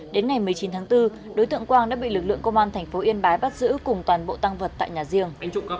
đến ngày một mươi chín tháng bốn đối tượng quang đã bị lực lượng công an thành phố yên bái bắt giữ cùng toàn bộ tăng vật tại nhà riêng